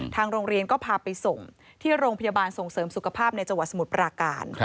ทางโรงเรียนก็พาไปส่งที่โรงพยาบาลส่งเสริมสุขภาพในจังหวัดสมุทรปราการ